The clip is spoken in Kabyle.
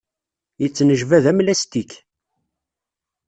Yettnejbad am lastik.